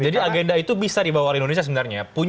jadi agenda itu bisa dibawa oleh indonesia sebenarnya ya